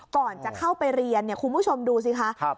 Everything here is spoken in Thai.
ก่อนจะเข้าไปเรียนเนี่ยคุณผู้ชมดูสิคะ